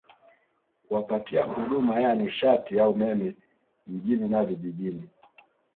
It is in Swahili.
kuwapatia huduma ya nishati ya umeme mjini na vijijini